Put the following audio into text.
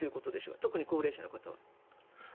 特に高齢者の方は。